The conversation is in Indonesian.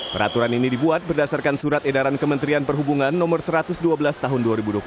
peraturan ini dibuat berdasarkan surat edaran kementerian perhubungan no satu ratus dua belas tahun dua ribu dua puluh satu